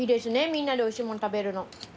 みんなでおいしいもの食べるの。